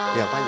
iya pak ya